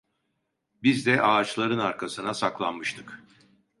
Biz de ağaçların arkasına saklanmıştık.